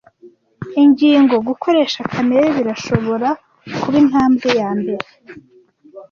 Ingingo. Gukoresha kamere birashobora kuba intambwe yambere